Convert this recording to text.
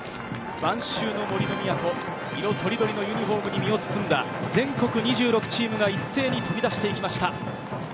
晩秋の杜の都、色とりどりのユニホームに身を包んだ、全国２６チームが一斉に飛び出していきました。